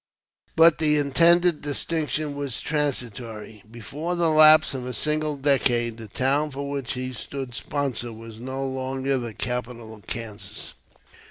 But the intended distinction was transitory. Before the lapse of a single decade, the town for which he stood sponsor was no longer the capital of Kansas.